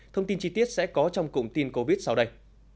thông tin chi tiết sẽ có trong cụm tin covid sau đây